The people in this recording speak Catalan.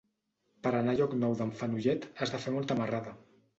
Per anar a Llocnou d'en Fenollet has de fer molta marrada.